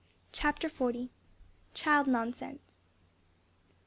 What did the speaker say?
CHAPTER XL. CHILD NONSENSE.